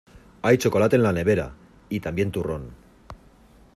Hay chocolate en la nevera y también turrón.